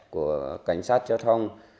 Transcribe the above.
của cảnh sát giao thông